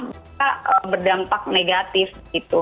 bukan berdampak negatif gitu